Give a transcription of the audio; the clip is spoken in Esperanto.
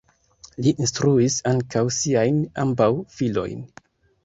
Li instruis ankaŭ siajn ambaŭ filojn.